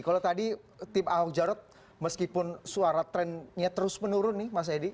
kalau tadi tim ahok jarot meskipun suara trennya terus menurun nih mas edi